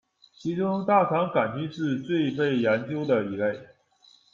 其中，大肠杆菌是最被研究的一类。